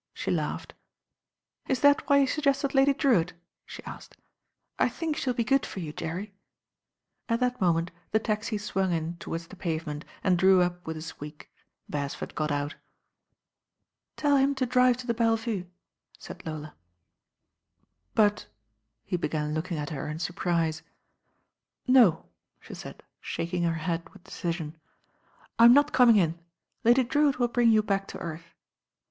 She laughed. "Is that why you suggested Lady Drewitt?" she asked. "I think she'll be good for you, Jerry." At that moment the taxi swung in towards the pavement and drew up with a squeak. Beresford got out. "Tell him to drive to the Belle Vue," said Lola. "But " he began looking at her in surprise. ^^ "No," she said, shaking her head with decision. "I'm not coming in. Lady Drewitt will bring you back to earth."